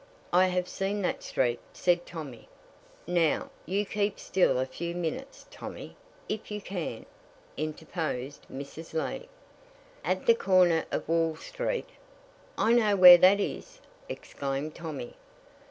"I have seen that street," said Tommy. "Now you keep still a few minutes, Tommy, if you can," interposed Mrs. Lee. "At the corner of Wall Street " "I know where that is," exclaimed Tommy.